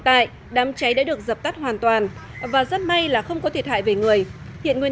tại đám cháy đã được dập tắt hoàn toàn và rất may là không có thiệt hại về người hiện nguyên